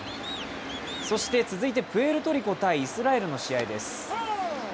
そして続いてプエルトリコ×イスラエルの試合です。